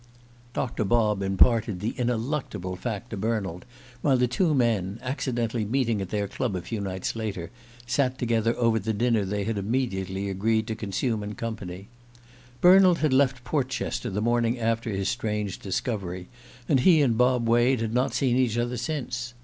Doctor Bob imparted the ineluctable fact to Bernald while the two men, accidentally meeting at their club a few nights later, sat together over the dinner they had immediately agreed to consume in company. Bernald had left Portchester the morning after his strange discovery, and he and Bob Wade had not seen each other since.